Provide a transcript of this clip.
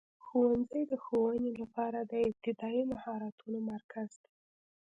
ښوونځی د ښوونې لپاره د ابتدایي مهارتونو مرکز دی.